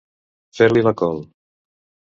Fer-li la col.